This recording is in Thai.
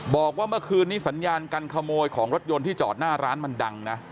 บอกว่าเมื่อคืนนี้สัญญาการขโมยของรถยนต์ที่จอดหน้าร้านมันดังนะ